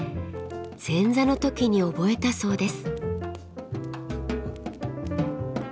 前座の時に覚えたそうです。